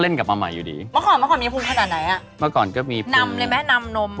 นำเลยไหมนำนม